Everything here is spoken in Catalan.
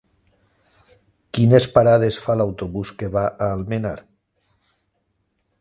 Quines parades fa l'autobús que va a Almenar?